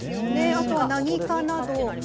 あとは「何科」など。